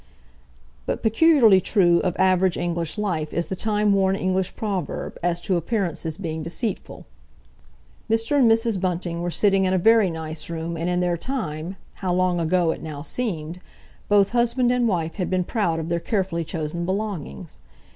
But peculiarly true of average English life is the time worn English proverb as to appearances being deceitful. Mr. and Mrs. Bunting were sitting in a very nice room and in their time—how long ago it now seemed!—both husband and wife had been proud of their carefully chosen belongings.